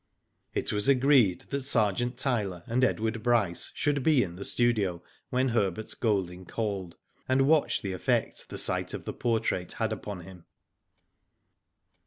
It was agreed that Sergeant Tyler and Edward Bryce should be in the studio when Herbert Golding called, and watch the effect the sight of the portrait had upon him.